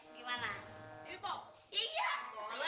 gimana hip hop iya boleh dong eh jangan